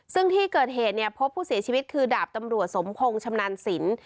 ซึ่งที่เกิดเหตุเนี่ยพบผู้เสียชีวิตคือดาบตำรวจสมพงศ์ชำนาญสิน